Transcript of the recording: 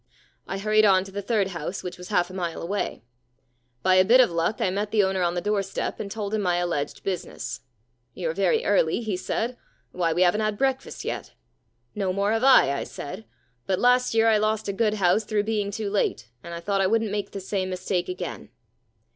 I hurried on to the third house, which was half a mile away. By a 60 The Free Meal Problem bit of luck I met the owner on the doorstep, and told him my alleged business. *" You're very early, he said. Why, we haven't had breakfast yet.'* *" No more have I," I said. " But last year I lost a good house through being too late, and I thought I wouldn't make the same mistake again."